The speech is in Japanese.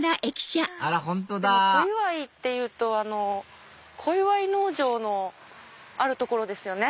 あらホントだ小岩井っていうと小岩井農場のある所ですよね。